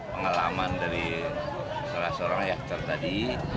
pengalaman dari salah seorang yang terjadi